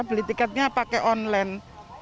beli tiketnya pakai online